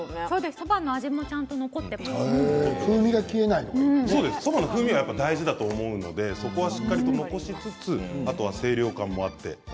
そばの風味が大事だと思うので、そこはしっかり残しつつあとは清涼感もあって。